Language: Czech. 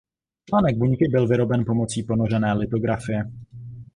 Článek buňky byl vyroben pomocí ponořené litografie.